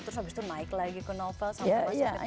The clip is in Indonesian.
terus abis itu naik lagi ke novel sampai masuk ke tv